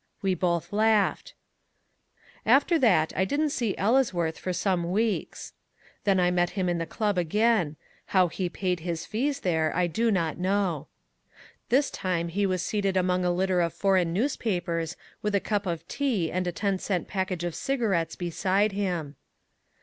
We both laughed. After that I didn't see Ellesworth for some weeks. Then I met him in the club again. How he paid his fees there I do not know. This time he was seated among a litter of foreign newspapers with a cup of tea and a ten cent package of cigarettes beside him.